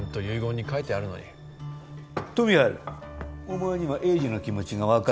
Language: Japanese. お前には栄治の気持ちが分かるのか？